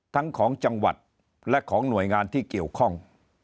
ทั้งของจังหวัดและของหน่วยงานที่เกี่ยวข้อง